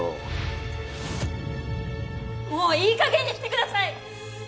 もういいかげんにしてください！